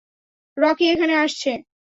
Rocky এখানে আসছে।